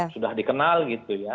sudah dikenal gitu ya